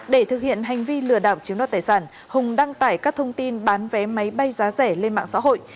để thực hiện hành vi lừa đảo chiếm đoạt tài sản hùng đăng tải các thông tin bán vé máy bay giá rẻ lên mạng xã hội